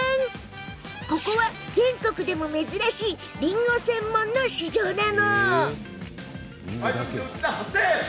ここは、全国でも珍しいりんご専門の市場です。